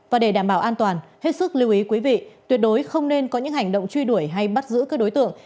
và để đảm bảo an toàn hết sức lưu ý quý vị tuyệt đối không nên có những hành động truy đuổi hay bắt giữ các đối tượng